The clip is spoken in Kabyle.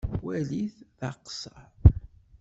Walit d akessar.